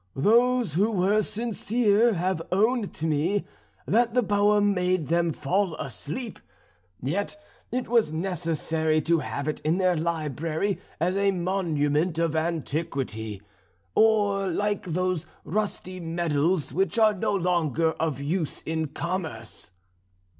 Those who were sincere have owned to me that the poem made them fall asleep; yet it was necessary to have it in their library as a monument of antiquity, or like those rusty medals which are no longer of use in commerce."